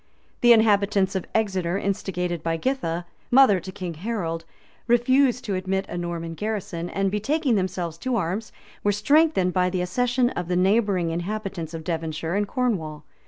The inhabitants of Exeter, instigated by Githa, mother to King Harold, refused to admit a Norman garrison, and, betaking themselves to arms, were strengthened by the accession of the neighboring inhabitants of Devonshire and Cornwall.